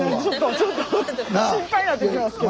ちょっと心配になってきますけど。